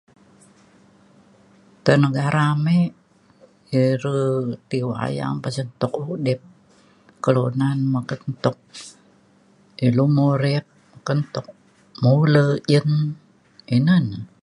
te negara ame ire ti ayam pasen tuk udip kelunan meken tuk ilu ngoret meken tuk mule jin ina na